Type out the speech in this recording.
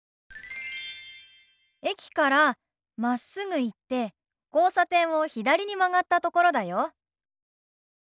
駅からまっすぐ行って交差点を左に曲がったところだよ。